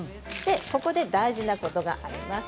ここで大事なことがあります。